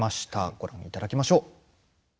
ご覧いただきましょう。